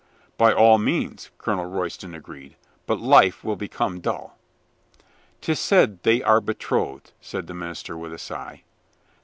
"By all means," Colonel Royston agreed, "but life will become dull." " 'Tis said they are betrothed," said the minister with a sigh.